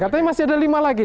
katanya masih ada lima lagi